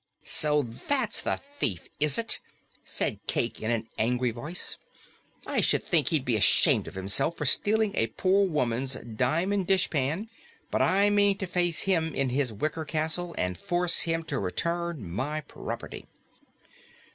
"So THAT'S the thief, is it?" said Cayke in an angry voice. "I should think he'd be ashamed of himself for stealing a poor woman's diamond dishpan! But I mean to face him in his wicker castle and force him to return my property."